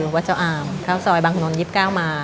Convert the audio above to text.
ก็คือวัชโลอาห์มเค้าสอยบางขนวน๒๙มา